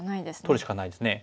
取るしかないですね。